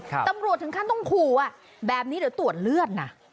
ตำรวจถึงขั้นต้องขู่อ่ะแบบนี้เดี๋ยวตรวจเลือดนะ